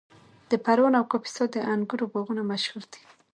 د پروان او کاپیسا د انګورو باغونه مشهور دي.